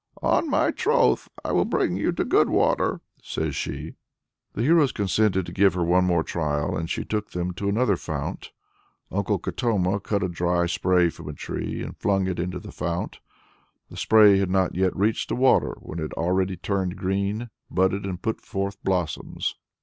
"On my troth I will bring you to good water," says she. The heroes consented to give her one more trial, and she took them to another fount. Uncle Katoma cut a dry spray from a tree, and flung it into the fount. The spray had not yet reached the water when it already turned green, budded, and put forth blossoms.